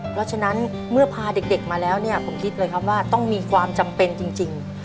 เพราะฉะนั้นเมื่อพาเด็กมาแล้วเนี่ยผมคิดเลยครับว่าต้องมีความจำเป็นจริง